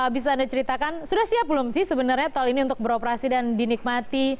bisa anda ceritakan sudah siap belum sih sebenarnya tol ini untuk beroperasi dan dinikmati